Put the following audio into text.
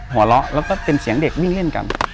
หัวเราะแล้วก็เป็นเสียงเด็กวิ่งเล่นกัน